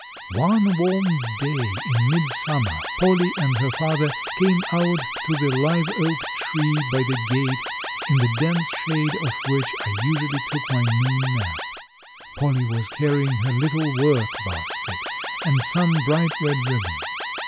One warm day in midsummer Polly and her father came out to the live oak tree by the gate, in the dense shade of which I usually took my noon nap. Polly was carrying her little work basket and some bright red ribbon.